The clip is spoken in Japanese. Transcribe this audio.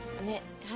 はい。